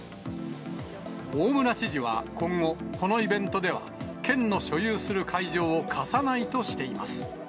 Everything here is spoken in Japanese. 大村知事は今後、このイベントでは県の所有する会場を貸さないとしています。